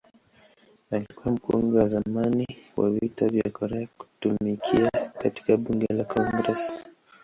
Alikuwa mkongwe wa zamani wa Vita vya Korea kutumikia katika Bunge la Congress.